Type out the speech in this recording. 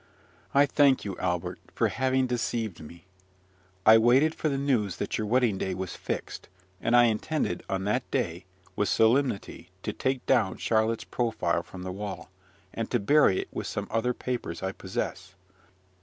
I thank you, Albert, for having deceived me. I waited for the news that your wedding day was fixed; and I intended on that day, with solemnity, to take down Charlotte's profile from the wall, and to bury it with some other papers I possess.